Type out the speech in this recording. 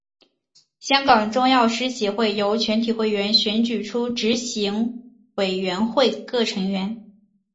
香港中药师协会由全体会员选举出执行委员会各成员。